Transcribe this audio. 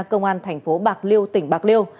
công an thành phố bạc liêu tỉnh bạc liêu